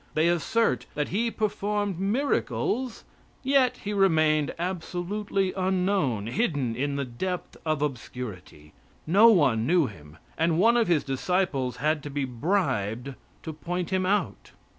They assert that He performed miracles; yet He remained absolutely unknown, hidden in the depth of obscurity. No one knew Him, and one of His disciples had to be bribed to point Him out.